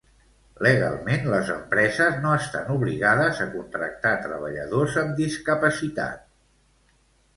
Legalment les empreses no estan obligades a contractar treballadors amb discapacitat.